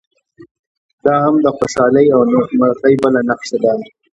دا هم د خوشالۍ او نیکمرغۍ بله نښه ده.